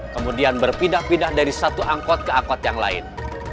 kemudian berpindah pindah dari satu angkot ke angkot yang lain